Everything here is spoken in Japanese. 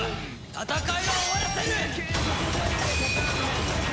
戦いは終わらせる！